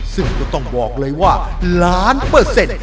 ซึ่งก็ต้องบอกเลยว่าล้านเปอร์เซ็นต์